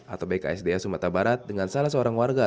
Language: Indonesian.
atau bksda sumatera barat dengan salah seorang warga